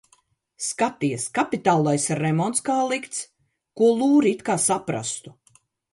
Skaties- kapitālais remonts kā likts! Ko lūri it kā saprastu?